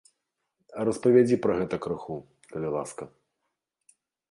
Распавядзі пра гэта крыху, калі ласка.